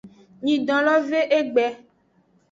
Nyidon lo ve egbe.